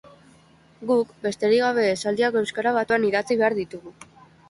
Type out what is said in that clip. Guk, besterik gabe, esaldiak euskara batuan idatzi behar ditugu.